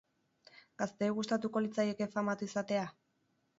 Gazteei gustatuko litzaieke famatu izatea?